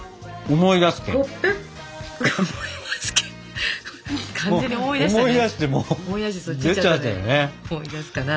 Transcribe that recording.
思い出すかな。